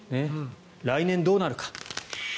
来年、どうなるか。